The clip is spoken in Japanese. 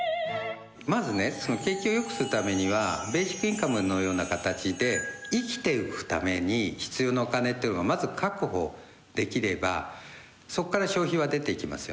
まずね景気をよくするためにはベーシックインカムのようなかたちで生きていくために必要なお金っていうのをまず確保できればそこから消費は出ていきますよね。